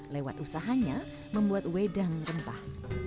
lewat usahanya membuat wedang rempah